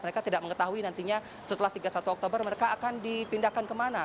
mereka tidak mengetahui nantinya setelah tiga puluh satu oktober mereka akan dipindahkan kemana